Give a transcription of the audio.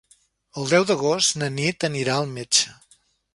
El deu d'agost na Nit anirà al metge.